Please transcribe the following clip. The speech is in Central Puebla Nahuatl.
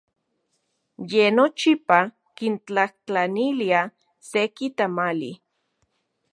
Ye nochipa kintlajtlanilia seki tamali.